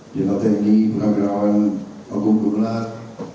general tni penagrawan agung gular